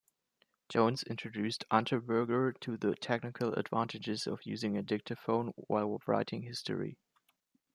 Jones introduced Unterberger to the technical advantages of using a dictaphone while writing history.